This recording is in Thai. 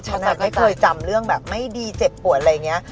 ไม่เคยจำเรื่องแบบไม่ดีเจ็บปวดอะไรอย่างนี้